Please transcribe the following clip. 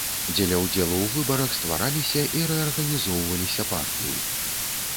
Дзеля ўдзелу ў выбарах ствараліся і рэарганізоўваліся партыі.